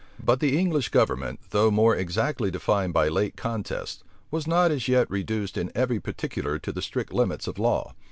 But the English government, though more exactly defined by late contests, was not as yet reduced in every particular to the strict limits of law.